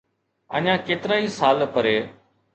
اڃا ڪيترائي سال پري